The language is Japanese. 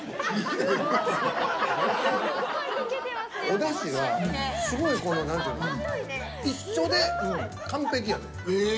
おだしが一緒で完璧やねん。